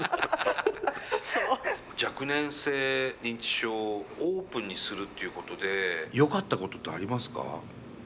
若年性認知症をオープンにするということでよかったことってありますか？